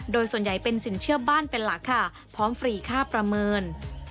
โดยส่วนใหญ่เป็นสินเชื่อบ้านเป็นหลักค่ะพร้อมฟรีค่าประเมิน